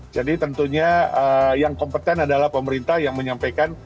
jadi tentunya yang kompeten adalah pemerintah yang menyampaikan